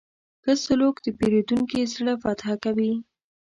ښه سلوک د پیرودونکي زړه فتح کوي.